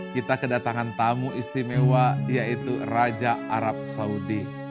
kita kedatangan tamu istimewa yaitu raja arab saudi